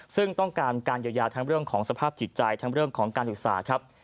ซึ่งต้องการการเยียวยาทั้งเรื่องของสภาพจิตใจทั้งเรื่องของการศึกษาครับ